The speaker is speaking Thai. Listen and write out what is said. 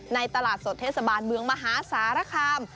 ตลาดสดเทศบาลเมืองมหาสารคาม